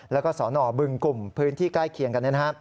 และสนบึงกุ่มพื้นที่ใกล้เคียงกันนั้น